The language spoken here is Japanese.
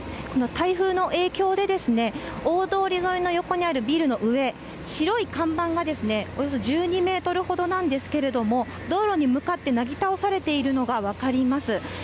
台風の影響で、大通り沿いの横にあるビルの上、白い看板がおよそ１２メートルほどなんですけれども、道路に向かってなぎ倒されているのが分かります。